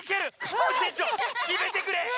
コージえんちょうきめてくれ。